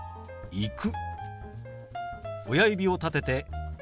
「行く」。